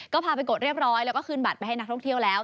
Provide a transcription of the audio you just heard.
ก็พาไปกดเรียบร้อยแล้วก็ขึ้นบัตรไปให้นักท่องเที่ยวแล้ว